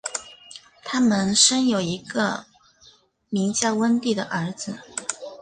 他们生有一个名叫温蒂的儿子。